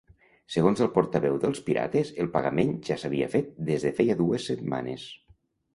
Segons el portaveu dels pirates, el pagament ja s'havia fet des de feia dues setmanes.